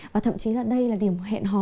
và thậm chí là đây là điểm hẹn hò